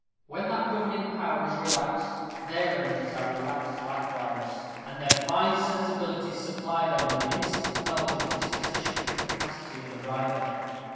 When that governing power is relaxed, their energies are relaxed likewise; and their fine sensibilities supply them with an instant knowledge of the disposition and capacity of the rider.